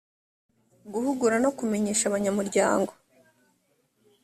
guhugura no kumenyesha abanyamuryango